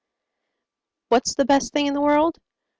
What's the best thing in the world?